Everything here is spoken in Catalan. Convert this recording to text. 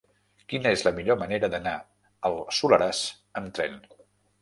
Quina és la millor manera d'anar al Soleràs amb tren?